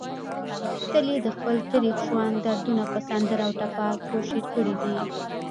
تل يې دخپل تريخ ژوند دردونه په سندره او ټپه کوشېر کړي دي